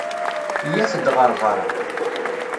Iyyat-d ɣer beṛṛa.